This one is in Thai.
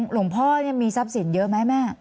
หลวงพ่อมีทรัพย์สินเยอะไหมแม่